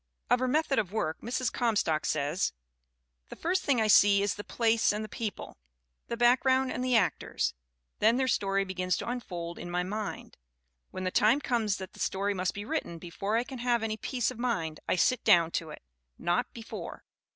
Of her method of work Mrs. Comstock says: "The first thing I see is the place and the people the background and the actors. Then their story be gins to unfold in my mind. When the time comes that that story must be written before I can have any peace of mind, I sit down to it not before.